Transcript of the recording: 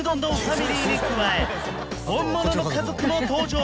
ファミリーに加え本物の家族も登場！